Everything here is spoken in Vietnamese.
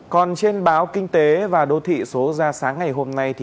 còn trên báo kinh tế và đô thị số ra sáng ngày hôm nay